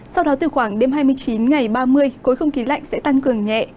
sau đó từ khoảng đêm hai mươi chín ngày ba mươi khối không khí lạnh sẽ tăng cường nhẹ